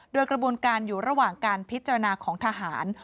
โดยกระบวนการอยู่ระหว่างการพิจารณาของทหาร